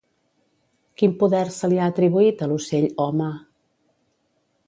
Quin poder se li ha atribuït a l'ocell Homa?